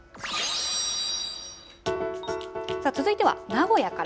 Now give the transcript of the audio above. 続いては名古屋から。